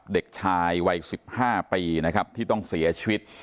เด็กชายวัย๑๕ปีนะครับที่ต้องเสียชีวิต